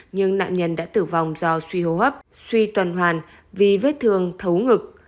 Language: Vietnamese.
nhưng nạn nhân đã tử vong do suy hô hấp suy tuần hoàn vì vết thương thấu ngực